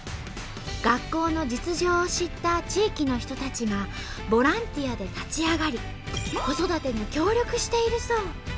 学校の実情を知った地域の人たちがボランティアで立ち上がり子育てに協力しているそう。